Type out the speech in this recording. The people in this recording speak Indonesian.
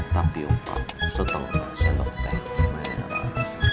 tapi opa setengah sendok teh merah